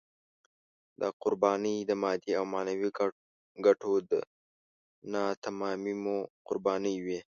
دا قربانۍ د مادي او معنوي ګټو د ناتمامیو قربانۍ وې.